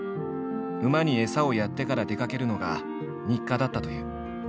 馬に餌をやってから出かけるのが日課だったという。